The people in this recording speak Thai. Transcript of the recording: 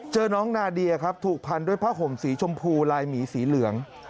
เจอน้องนาเดียครับถูกพันด้วยผ้าห่มสีชมพูลายหมีสีเหลือง